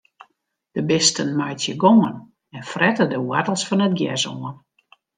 De bisten meitsje gongen en frette de woartels fan it gjers oan.